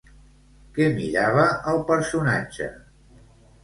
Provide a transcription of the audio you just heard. Què mirava el personatge?